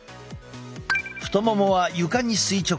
太ももは床に垂直に。